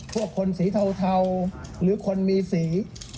พวกคนสีเทาหรือคนมีสี